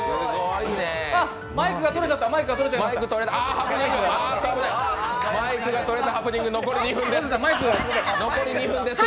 あ、マイクが取れたハプニング、あと２分です。